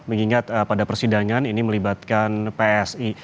mengingat pada persidangan ini melibatkan psi